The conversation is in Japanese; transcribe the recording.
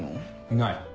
ない！